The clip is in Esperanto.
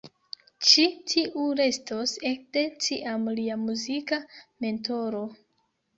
Ĉi tiu restos ekde tiam lia muzika mentoro.